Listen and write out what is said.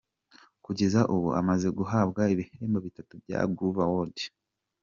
Kugeza ubu amaze guhabwa ibihembo bitatu bya Groove Awards.